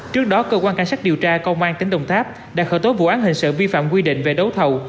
trước đó cơ quan cảnh sát điều tra công an tỉnh đồng tháp đã khởi tố vụ án hình sự vi phạm quy định về đấu thầu